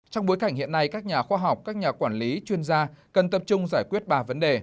trong bối cảnh hiện nay các nhà khoa học các nhà quản lý chuyên gia cần tập trung giải quyết ba vấn đề